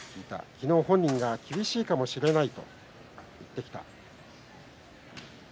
昨日、本人が厳しいかもしれないと言ってきた。